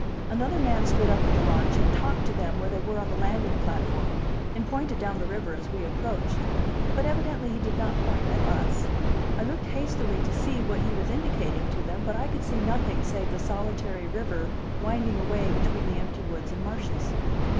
Another man stood up in the launch and talked to them where they were on the landing platform, and pointed down the river as we approached; but evidently he did not point at us. I looked hastily to see what he was indicating to them, but I could see nothing save the solitary river winding away between the empty woods and marshes.